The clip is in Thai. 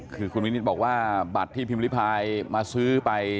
คือคุณวินิตบอกว่าบัตรที่พิมพ์ริพายมาซื้อไป